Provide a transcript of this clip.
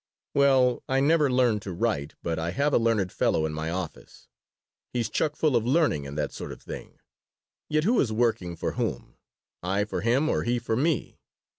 "Well, I never learned to write, but I have a learned fellow in my office. He's chuck full of learning and that sort of thing. Yet who is working for whom I for him or he for me?